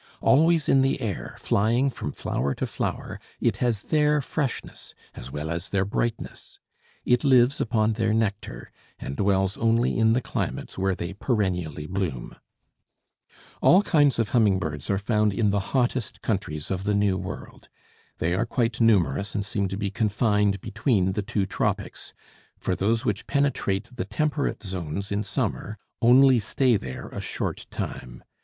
Always in the air, flying from flower to flower, it has their freshness as well as their brightness. It lives upon their nectar, and dwells only in the climates where they perennially bloom. All kinds of humming birds are found in the hottest countries of the New World. They are quite numerous and seem to be confined between the two tropics, for those which penetrate the temperate zones in summer only stay there a short time.